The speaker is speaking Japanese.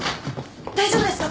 大丈夫ですか？